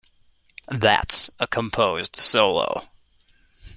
That's a composed solo.